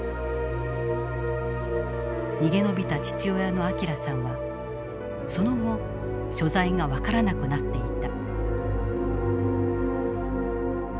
逃げ延びた父親の明さんはその後所在が分からなくなっていた。